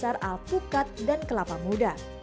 dasar alpukat dan kelapa muda